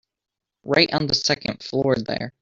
Right on the second floor there.